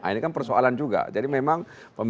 ini kan persoalan juga jadi memang